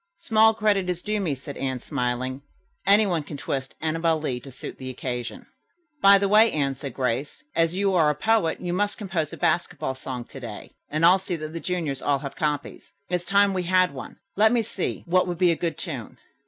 "Small credit is due me," said Anne, smiling. "Anyone can twist 'Annabel Lee' to suit the occasion." "By the way, Anne," said Grace, "as you are a poet, you must compose a basketball song to day, and I'll see that the juniors all have copies. It's time we had one. Let me see what would be a good tune?"